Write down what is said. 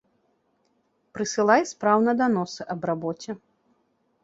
Прысылай спраўна даносы аб рабоце.